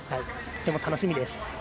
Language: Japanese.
とても楽しみです。